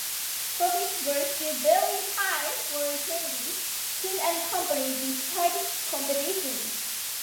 Profits were still very high for Kenedy, King and Company despite competition.